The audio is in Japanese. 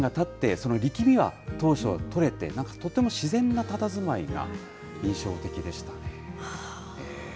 １２年がたって、その力みが当初、取れて、なんかとっても自然なたたずまいが印象的でしたね。